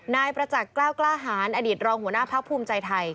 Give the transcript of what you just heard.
นายประจักษ์กล้าวกล้าหารอดีตรองหัวหน้าพักภูมิใจไทย